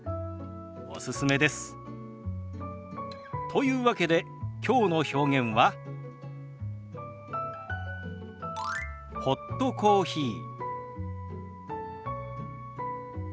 というわけできょうの表現は「ホットコーヒー」。